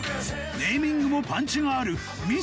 ネーミングもパンチがある味